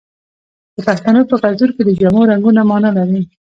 د پښتنو په کلتور کې د جامو رنګونه مانا لري.